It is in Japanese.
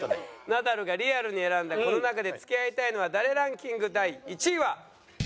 ナダルがリアルに選んだこの中で付き合いたいのは誰ランキング第１位は。